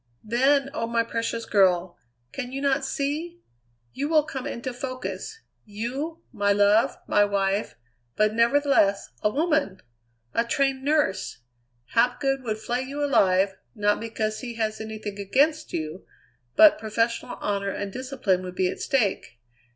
"Then oh! my precious girl! Can you not see? You will come into focus. You, my love, my wife, but, nevertheless, a woman! a trained nurse! Hapgood would flay you alive, not because he has anything against you, but professional honour and discipline would be at stake.